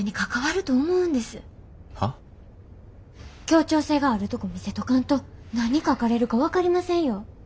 協調性があるとこ見せとかんと何書かれるか分かりませんよ。